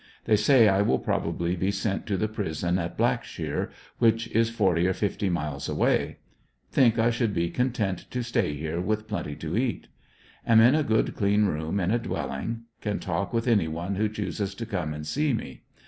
They say I will probably be sent to the prison at Blackshear, which is forty or fifty miles away Think I should be content to stay here with plenty to eat. Am in a good clean room in a dwelling. Can talk with any one who chooses to come and see me.